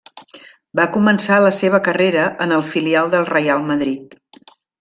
Va començar la seva carrera en el filial del Reial Madrid.